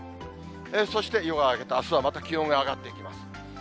そして夜が明けてあすはまた気温が上がっていきます。